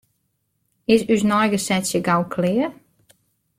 Is ús neigesetsje gau klear?